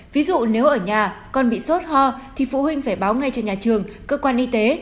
ví dụ nếu ở nhà con bị sốt ho thì phụ huynh phải báo ngay cho nhà trường cơ quan y tế